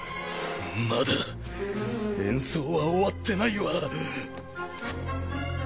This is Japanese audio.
まだ演奏は終わってないわ！